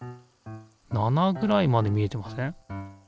７ぐらいまで見えてません？